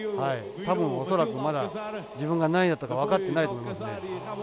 恐らくまだ自分が何位だったか分かってないと思いますね。